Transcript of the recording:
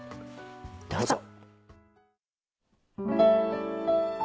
どうぞ。